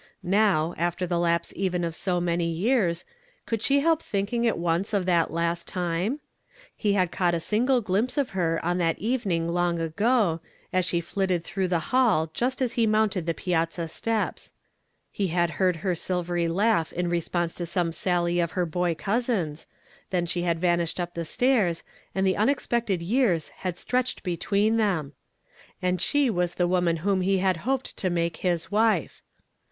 Now, after the lapse even of .>o many years, could she help thinking at once of that last time ? He had caught a singh glimpse of her on that evening long ago, as she flitted through the hall just as he mounted the piazza steps. He had heard her silvery laugh in re sponse to some sally of her boy cousin's, then she had vanished up the staire, and the unexpected years had stretched between them ! And she was the woman whom he had hoped to make his wife.